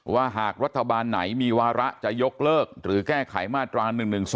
ว่าหากรัฐบาลไหนมีวาระจะยกเลิกหรือแก้ไขมาตรา๑๑๒